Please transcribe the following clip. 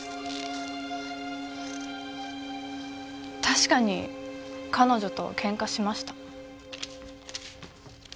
確かに彼女とケンカしました。